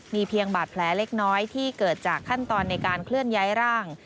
มีเพียงบาดแผลเล็กน้อยที่เกิดจากขั้นตอนในการเคลื่อนย้ายร่าง